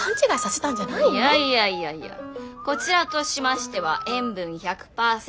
いやいやこちらとしましては塩分１００％